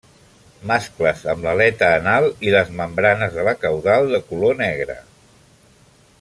Mascles amb l'aleta anal i les membranes de la caudal de color negre.